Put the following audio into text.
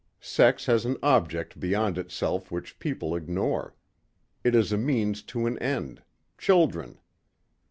Sex has an object beyond itself which people ignore. It is a means to an end children."